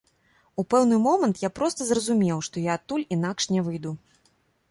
У пэўны момант я проста зразумеў, што я адтуль інакш не выйду.